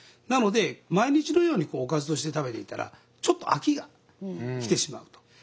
なので毎日のようにおかずとして食べていたらちょっと飽きがきてしまうと。